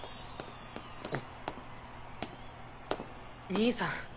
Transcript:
兄さん。